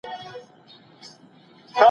ملتونه کله د بشري حقونو تړونونه مني؟